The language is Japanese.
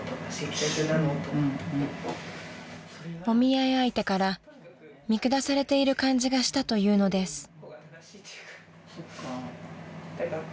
［お見合い相手から見下されている感じがしたというのです］